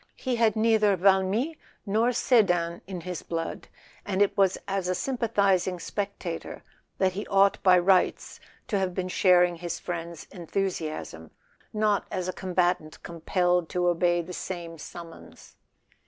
He had neither Valmy nor Sedan in his blood, and it was as a sym¬ pathizing spectator that he ought by rights to have been sharing his friend's enthusiasm, not as a com¬ batant compelled to obey the same summons.